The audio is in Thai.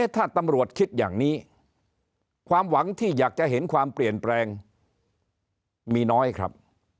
ถ้าตำรวจคิดอย่างนี้ความหวังที่อยากจะเห็นความเปลี่ยนแปลงมีน้อยครับ